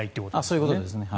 そういうことです。